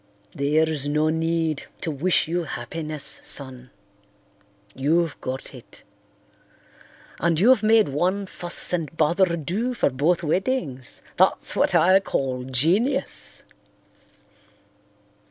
"There's no need to wish you happiness, son; you've got it. And you've made one fuss and bother do for both weddings, that's what I call genius.